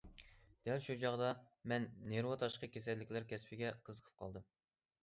دەل شۇ چاغدا مەن نېرۋا تاشقى كېسەللىكلىرى كەسپىگە قىزىقىپ قالدىم.